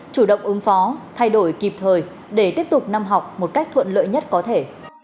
chủ động ứng phó thay đổi kịp thời để tiếp tục năm học một cách thuận lợi nhất có thể